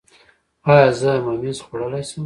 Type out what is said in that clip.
ایا زه ممیز خوړلی شم؟